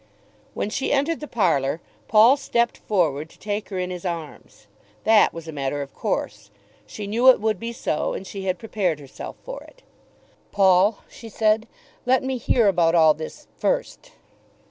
When she entered the parlour Paul stept forward to take her in his arms. That was a matter of course. She knew it would be so, and she had prepared herself for it. "Paul," she said, "let me hear about all this first."